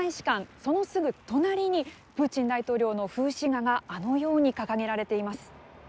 そのすぐ隣りにプーチン大統領の風刺画があのように掲げられています。